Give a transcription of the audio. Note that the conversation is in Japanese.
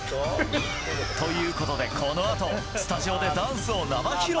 ということで、この後スタジオでダンスを生披露。